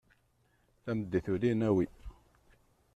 Tameddit ula i nawi.